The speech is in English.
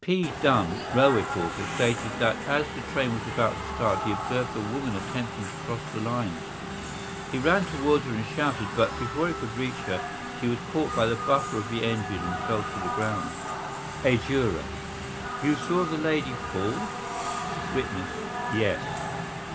P. Dunne, railway porter, stated that as the train was about to start he observed a woman attempting to cross the lines. He ran towards her and shouted, but, before he could reach her, she was caught by the buffer of the engine and fell to the ground. A juror. "You saw the lady fall?" Witness. "Yes."